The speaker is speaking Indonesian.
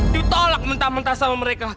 ditolak mentah mentah sama mereka